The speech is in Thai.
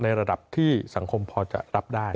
ในระดับที่สังคมพอร์จะเรียบรวมรับได้